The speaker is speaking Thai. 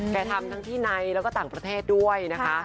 ทำทั้งที่ในแล้วก็ต่างประเทศด้วยนะคะ